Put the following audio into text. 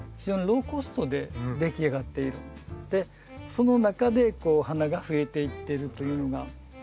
その中で花がふえていってるというような。